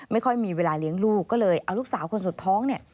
ไม่ค่อยมีเวลาเลี้ยงลูกก็เลยเอาลูกสาวคนสุดท้องเนี่ย